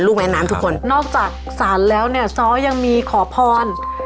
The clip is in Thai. แม่น้ำทุกคนนอกจากสารแล้วเนี่ยซ้อยังมีขอพร